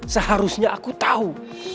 seharusnya aku tahu